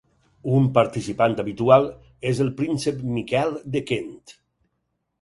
Un participant habitual és el príncep Miquel de Kent.